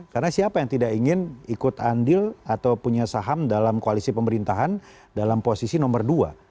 karena siapa yang tidak ingin ikut andil atau punya saham dalam koalisi pemerintahan dalam posisi nomor dua